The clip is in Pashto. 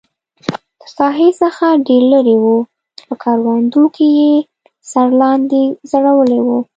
له ساحې څخه ډېر لرې و، په کروندو کې یې سر لاندې ځړولی و.